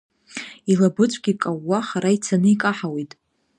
Илабыҵәгьы каууа хара ицаны икаҳауеит.